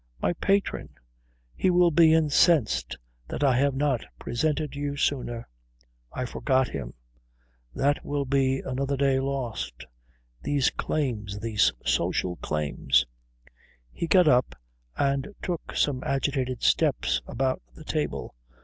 "My patron. He will be incensed that I have not presented you sooner. I forgot him. That will be another day lost. These claims, these social claims " He got up and took some agitated steps about the table.